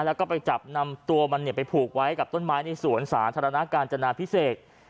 แล้วก็ไปจับนำตัวมันไปผูกไว้กับต้นไม้ในสวนสาธารณะกาญจนาพิเศษ